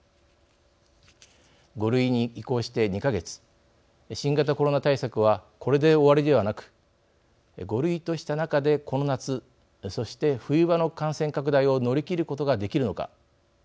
５類に移行して２か月新型コロナ対策はこれで終わりではなく５類とした中でこの夏そして冬場の感染拡大を乗り切ることができるのか。